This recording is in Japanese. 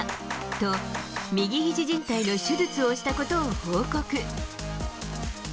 と、右ひじじん帯の手術をしたことを報告。